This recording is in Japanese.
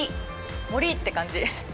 森！って感じ。